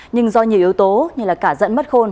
nhưng do nhiều yếu tố như là cả dẫn mất khôn